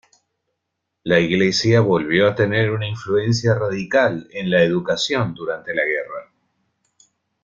La Iglesia volvió a tener una influencia radical en la educación durante la guerra.